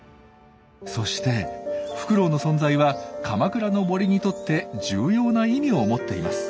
そしてフクロウの存在は鎌倉の森にとって重要な意味を持っています。